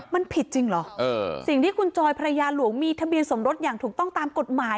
มันผิดจริงเหรอสิ่งที่คุณจอยภรรยาหลวงมีทะเบียนสมรสอย่างถูกต้องตามกฎหมาย